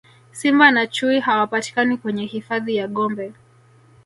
simba na chui hawapatikani kwenye hifadhi ya gombe